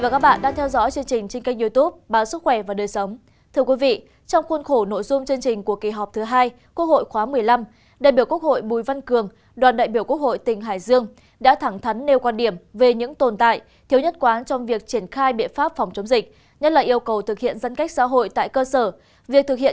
các bạn hãy đăng ký kênh để ủng hộ kênh của chúng mình nhé